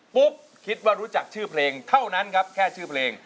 คิดว่ารู้จักชื่อเพลงเท่านั้นครับแค่ชื่อเพลง